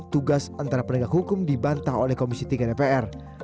tugas antara penegak hukum dibantah oleh komisi tiga dpr